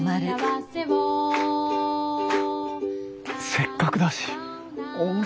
せっかくだし温泉